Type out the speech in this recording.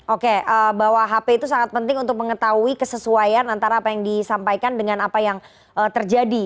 oke bahwa hp itu sangat penting untuk mengetahui kesesuaian antara apa yang disampaikan dengan apa yang terjadi